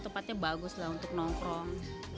tempatnya bagus lah untuk nongkrong